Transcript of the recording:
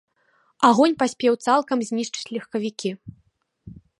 Агонь паспеў цалкам знішчыць легкавікі.